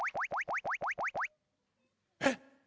えっ？